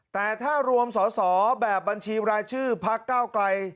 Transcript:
แต่ถ้ารวมสอสอแบบบัญชีรายชื่อพักเก้าไกล